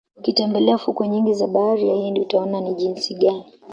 Ukitembelea fukwe nyingi za Bahari ya Hindi utaona ni jisi gani